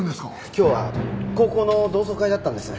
今日は高校の同窓会だったんです。